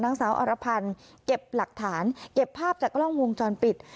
นางสาวอรพันธ์เก็บหลักฐานเก็บภาพจากกล้องวงจรปิด